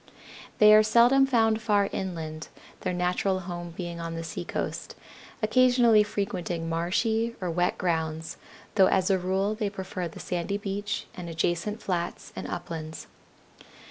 They are seldom found far inland, their natural home being on the seacoast, occasionally frequenting marshy or wet grounds, though as a rule they prefer the sandy beach and adjacent flats and uplands.